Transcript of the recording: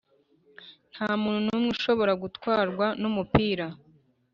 “nta muntu n'umwe ushobora gutwarwa n'umupira.”